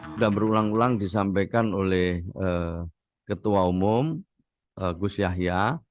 sudah berulang ulang disampaikan oleh ketua umum gus yahya